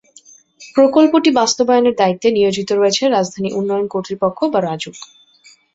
প্রকল্পটি বাস্তবায়নের দায়িত্বে নিয়োজিত রয়েছে রাজধানী উন্নয়ন কর্তৃপক্ষ বা রাজউক।